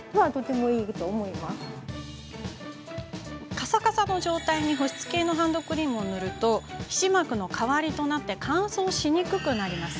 カサカサの状態に保湿系のハンドクリームを塗ると皮脂膜の代わりとなり乾燥しにくくなります。